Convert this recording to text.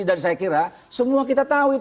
dan saya kira semua kita tahu